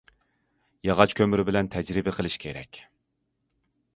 ياغاچ كۆمۈر بىلەن تەجرىبە قىلىش كېرەك.